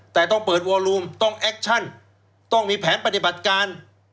แต่ต้องเปิดวอลูมต้องแอคชั่นต้องมีแผนปฏิบัติการ